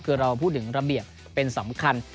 คือเราพูดถึงระเบียบเป็นสำคัญ